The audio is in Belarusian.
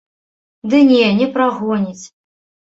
Ды не, не прагоніць.